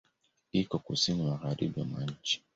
Iko Kusini magharibi mwa nchi.